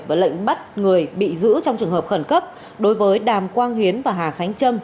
và lệnh bắt người bị giữ trong trường hợp khẩn cấp đối với đàm quang hiến và hà khánh trâm